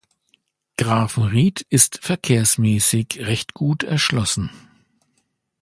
Grafenried ist verkehrsmässig recht gut erschlossen.